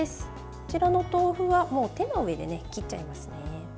こちらの豆腐は手の上で切っちゃいますね。